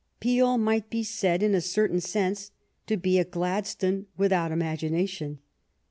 Peel might be said in a certain sense to be a Gladstone without imagina tion.